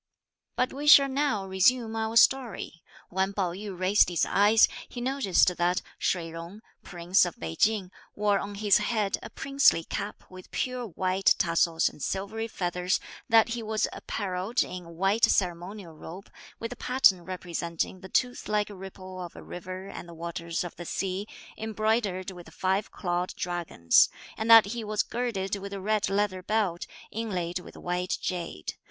But we shall now resume our story. When Pao yü raised his eyes, he noticed that Shih Jung, Prince of Pei Ching, wore on his head a princely cap with pure white tassels and silvery feathers, that he was appareled in a white ceremonial robe, (with a pattern representing) the toothlike ripple of a river and the waters of the sea, embroidered with five clawed dragons; and that he was girded with a red leather belt, inlaid with white jade.